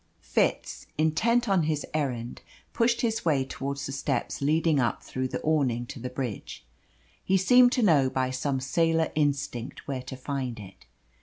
Fitz, intent on his errand, pushed his way towards the steps leading up through the awning to the bridge. He seemed to know by some sailor instinct where to find it.